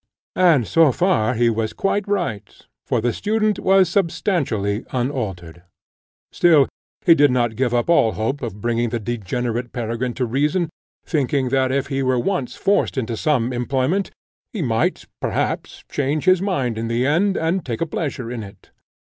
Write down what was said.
And so far he was quite right, for the student was substantially unaltered. Still he did not give up all hope of bringing the degenerate Peregrine to reason, thinking that if he were once forced into some employment, he might, perhaps, change his mind in the end, and take a pleasure in it.